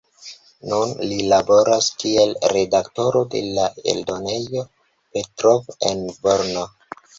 Nun li laboras kiel redaktoro de la eldonejo Petrov en Brno.